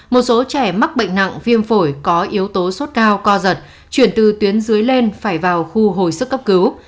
một số trẻ mắc bệnh nặng viêm phổi có yếu tố sốt cao co giật chuyển từ tuyến dưới lên phải vào khu hồi sức cấp cứu